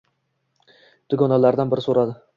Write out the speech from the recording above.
Dugonalardan biri soʻradi